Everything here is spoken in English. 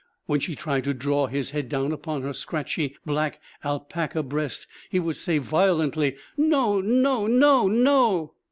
When she tried to draw his head down upon her scratchy black alpaca breast, he would say violently, 'No, no! No, no!'